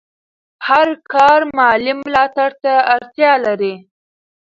هر کار مالي ملاتړ ته اړتیا لري.